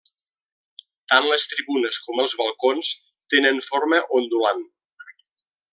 Tant les tribunes com els balcons tenen forma ondulant.